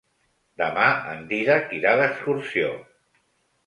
Demà en Dídac irà d'excursió.